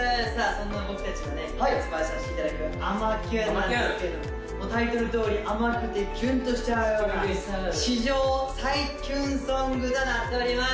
そんな僕達のね発売させていただく「あまキュン」なんですけれどももうタイトルどおりあまくてキュンとしちゃうような史上最キュンソングとなっております！